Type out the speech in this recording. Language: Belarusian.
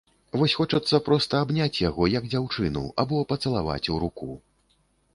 Вось хочацца проста абняць яго, як дзяўчыну, або пацалаваць у руку.